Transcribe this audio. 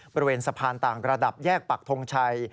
บริเวณสะพานต่างระดับแยกปักทงชัย